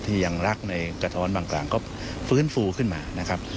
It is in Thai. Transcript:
ยังรักในกระท้อนบางกลางก็ฟื้นฟูขึ้นมานะครับ